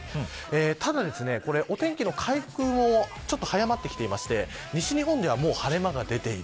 ただ、これお天気の回復も早まってきていて西日本ではもう晴れ間が出ている。